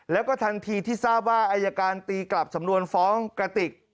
แล้วก็ทันทีที่ทราบว่าอายการตีกลับสำนวนฟ้องกระติก